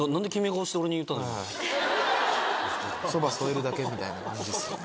そば添えるだけみたいな感じですね。